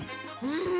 うん！